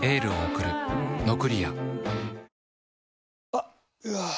あっ、うわー。